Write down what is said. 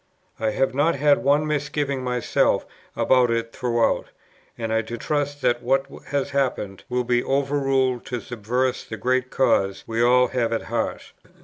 I have not had one misgiving myself about it throughout; and I do trust that what has happened will be overruled to subserve the great cause we all have at heart."